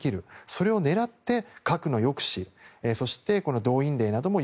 それを狙って核の抑止、そして動員令なども